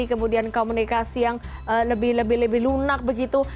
kemudian komunikasi yang lebih lebih lunak begitu